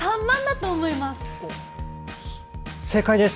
正解です！